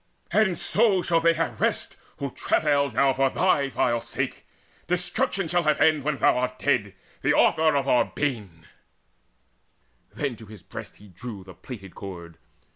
And so shall they have rest, who travail now For thy vile sake. Destruction shall have end When thou art dead, the author of our bane." Then to his breast he drew the plaited cord.